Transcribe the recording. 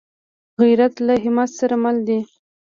غیرت له همت سره مل دی